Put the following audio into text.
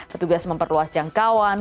ketugas memperluas jangkauan